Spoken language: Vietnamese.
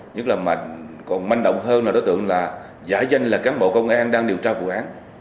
nhất là còn manh động hơn là đối tượng là giả danh là cán bộ công an đang điều tra vụ án